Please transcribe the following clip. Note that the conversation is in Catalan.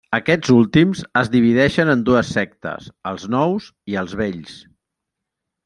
Aquests últims es divideixen en dues sectes: els nous i els vells.